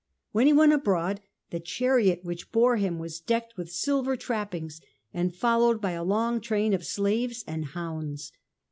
When he went abroad, the chariot which bore him was decked with silver trappings and followed by a long train oi slaves and hounds.